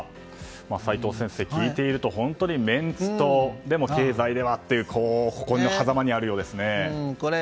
齋藤先生、聞いていると本当にメンツとでも、経済ではというはざまにあるようですね。